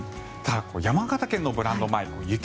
山形県のブランド米雪